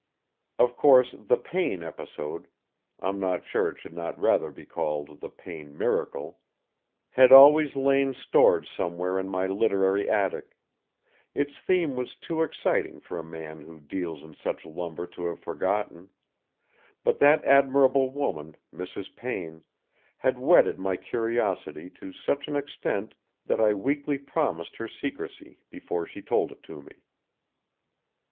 Of course the Payne episode I'm not sure it should not rather be called the Payne miracle had always lain stored somewhere in my literary attic; its theme was too exciting for a man who deals in such lumber to have forgotten; but that admirable woman, Mrs. Payne, had whetted my curiosity to such an extent that I weakly promised her secrecy before she told it to me.